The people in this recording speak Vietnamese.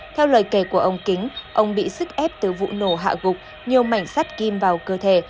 theo lời kể của ông kính ông bị sức ép từ vụ nổ hạ gục nhiều mảnh sắt kim vào cơ thể